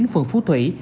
phường phú thủy